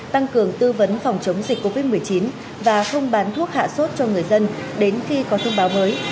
tăng cường tư vấn phòng chống dịch covid một mươi chín và không bán thuốc hạ sốt cho người dân đến khi có thông báo mới